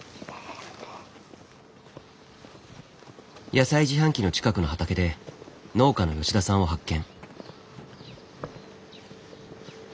野菜自販機の近くの畑で農家の吉田さんを発見。